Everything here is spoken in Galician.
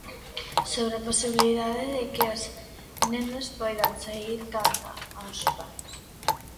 Sobre a posibilidade de que os nenos poidan saír canda os pais.